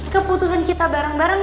keputusan kita bareng bareng